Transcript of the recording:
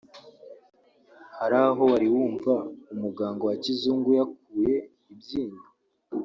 Hari aho wari wumva umuganga wa kizungu yakuye ibyinyo